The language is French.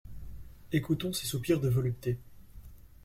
Ecoutons ces soupirs de volupté.